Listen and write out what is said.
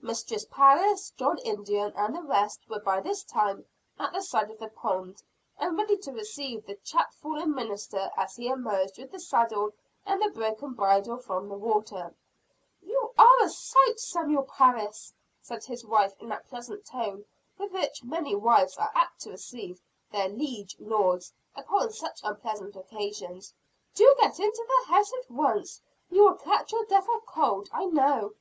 Mistress Parris, John Indian and the rest were by this time at the side of the pond, and ready to receive the chapfallen minister as he emerged with the saddle and the broken bridle from the water. "You are a sight, Samuel Parris!" said his wife, in that pleasant tone with which many wives are apt to receive their liege lords upon such unpleasant occasions. "Do get into the house at once. You will catch your death of cold, I know.